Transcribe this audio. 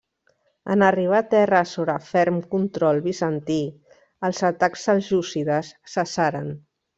En arribar a terres sobre ferm control bizantí els atacs seljúcides cessaren.